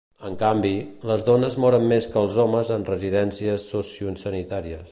En canvi, les dones moren més que els homes en residències sociosanitàries.